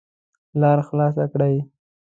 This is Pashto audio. لار خلاصه کړئ